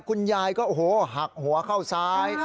คุณยายก็หักหัวเข้าซ้าย